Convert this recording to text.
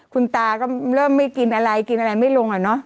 คุณตาก็เริ่มไม่กินอะไรกินอะไรไม่ลงอ่ะเนอะ